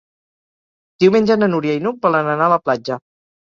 Diumenge na Núria i n'Hug volen anar a la platja.